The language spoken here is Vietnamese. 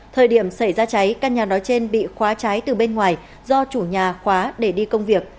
thời điểm xảy ra cháy căn nhà nói trên bị khóa cháy từ bên ngoài do chủ nhà khóa để đi công việc